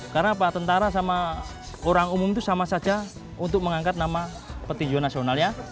karena tentara sama orang umum itu sama saja untuk mengangkat nama petinju nasional ya